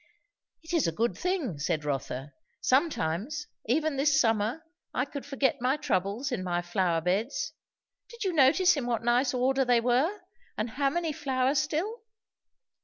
"It is a good thing," said Rotha. "Sometimes, even this summer, I could forget my troubles in my flower beds. Did you notice in what nice order they were, and how many flowers still?"